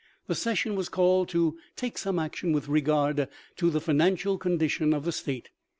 The ses sion was called to take some action with regard to the financial condition of the State.